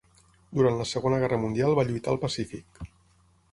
Durant la Segona Guerra Mundial va lluitar al Pacífic.